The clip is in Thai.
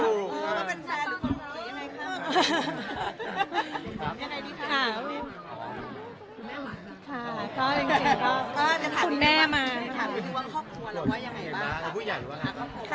หรือว่าเรียกว่าแฟนนี้ค่ะพี่จะได้เลือกถูกอ๋อเดี๋ยวฮะ